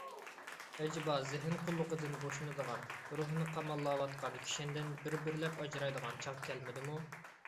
ئەجىبا زېھىن قۇللۇقىدىن بوشىنىدىغان، روھنى قاماللاۋاتقان كىشەندىن بىر بىرلەپ ئاجرايدىغان چاغ كەلمىدىمۇ؟